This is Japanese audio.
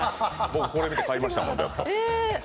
僕、これ見て買いましたもん。